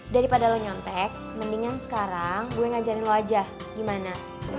daripada lo nyontek mendingan sekarang gue ngajarin wajah gimana